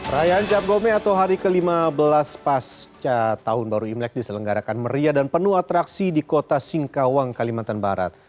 rayaan cap gome atau hari ke lima belas pasca tahun baru imlek diselenggarakan meriah dan penuh atraksi di kota singkawang kalimantan barat